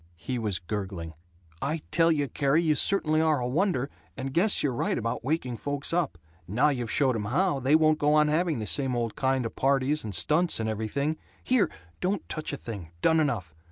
He was gurgling, "I tell you, Carrie, you certainly are a wonder, and guess you're right about waking folks up. Now you've showed 'em how, they won't go on having the same old kind of parties and stunts and everything. Here! Don't touch a thing! Done enough.